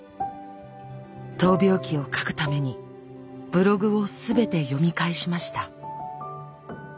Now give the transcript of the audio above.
闘病記を書くためにブログを全て読み返しました。